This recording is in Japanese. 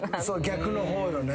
逆の方のね。